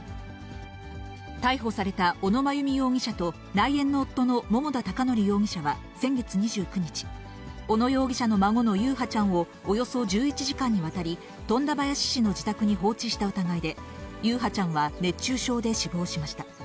逮捕された小野真由美容疑者と内縁の夫の桃田貴徳容疑者は先月２９日、小野容疑者の孫の優陽ちゃんをおよそ１１時間にわたり、富田林市の自宅に放置した疑いで、優陽ちゃんは熱中症で死亡しました。